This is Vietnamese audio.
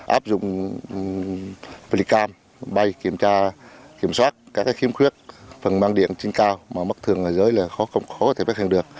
áp dụng plicam bay kiểm soát các khiếm khuyết phần mang điện trên cao mà mất thường dưới là không có thể phát hiện được